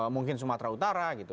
mungkin sumatera utara gitu